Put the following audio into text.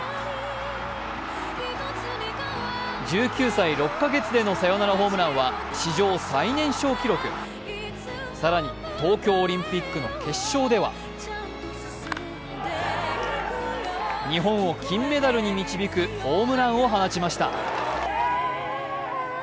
１９歳６か月でのサヨナラホームランは史上最年少記録、更に東京オリンピックの決勝では日本を金メダルに導くホームランを放ちました。